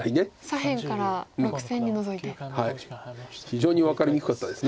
非常に分かりにくかったですね